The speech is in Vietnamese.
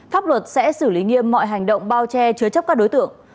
pháp luật sẽ xử lý nghiêm mọi hành động bao che chứa chấp các đối tượng